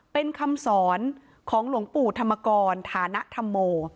เป็นคำสอนของหลวงปู่ธรรมกรฐานธรรโม